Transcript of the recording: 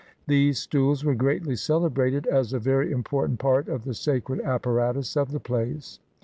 These stools were greatly celebrated as a very important part of the sacred apparatus of the place.